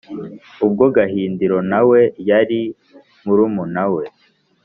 Ubwo Gahindiro na we yari murumuna we.